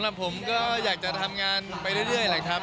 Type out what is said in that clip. ผมก็อยากจะทำงานไปเรื่อยแหละครับ